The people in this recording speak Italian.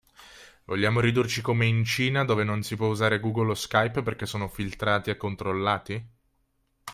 Vogliamo ridurci come in Cina dove non si può usare Google o Skype perché sono filtrati e controllati?